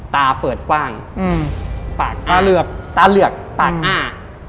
ตาเปิดกว้างตาเหลือกตาอ้า